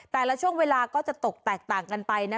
แต่ละช่วงเวลาก็จะตกแตกต่างกันไปนะ